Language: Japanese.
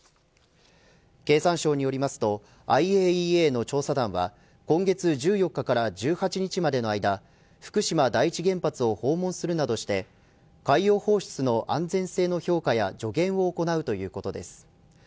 経産省によりますとＩＡＥＡの調査団は今月１４日から１８日までの間福島第一原発を訪問するなどして海洋放出の安全性能の評価や助言を行うということです。